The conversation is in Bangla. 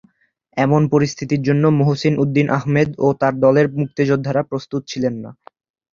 এমন পরিস্থিতির জন্য মহসীন উদ্দীন আহমেদ ও তার দলের মুক্তিযোদ্ধারা প্রস্তুত ছিলেন না।